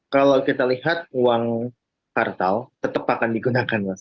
kalau kita lihat uang kartal tetap akan digunakan mas